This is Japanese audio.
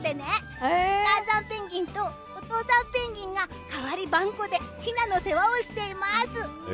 お母さんペンギンとお父さんペンギンが代わりばんこで雛のお世話をしています。